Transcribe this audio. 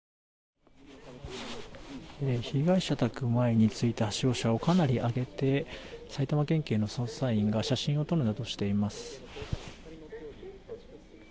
被害者宅前に着いたはしご車をかなり上げて埼玉県警の捜査員が写真を撮るなどしています。